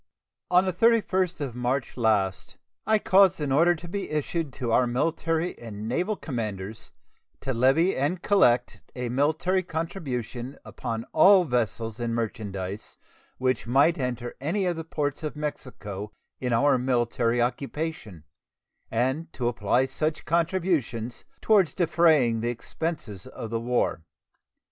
On the 31st of March last I caused an order to be issued to our military and naval commanders to levy and collect a military contribution upon all vessels and merchandise which might enter any of the ports of Mexico in our military occupation, and to apply such contributions toward defraying the expenses of the war.